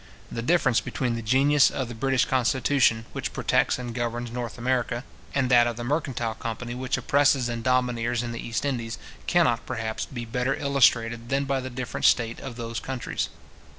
The difference between the genius of the British constitution, which protects and governs North America, and that of the mercantile company which oppresses and domineers in the East Indies, cannot, perhaps, be better illustrated than by the different state of those countries.